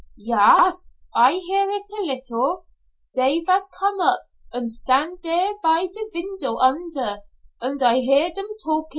"Yas, I hear it a little. Dey vas come up und stand dere by de vindow under, und I hear dem talkin'.